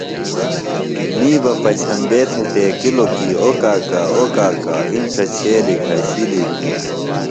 می بہ پچھمبے تھےۡ ٹیکِلوۡ کیۡ اوۡ کاکا اوۡ کاکا اِنڇہ چھیلیۡ گھشِلیۡ ہِنیۡ